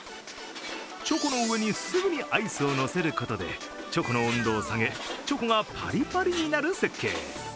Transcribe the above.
チョコの上にすぐにアイスをのせることでチョコの温度を下げ、チョコがパリパリになる設計。